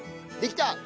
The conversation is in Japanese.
できた！